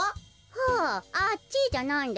はああっちじゃないんですか？